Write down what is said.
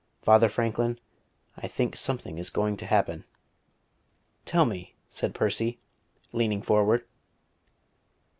Father Franklin, I think something is going to happen." "Tell me," said Percy, leaning forward.